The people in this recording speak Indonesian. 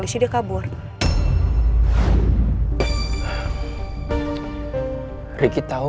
silahkan bu sarah